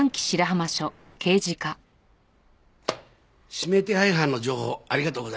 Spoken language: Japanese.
指名手配犯の情報ありがとうございます。